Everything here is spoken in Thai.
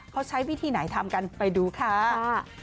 เขาใช้วิธีไหนทำกันไปดูค่ะ